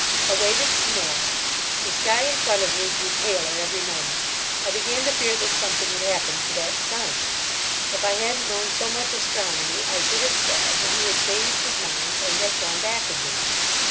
I waited some more. The sky in front of me grew paler every moment. I began to fear that something had happened to that sun. If I hadn't known so much astronomy I should have said that he had changed his mind and had gone back again.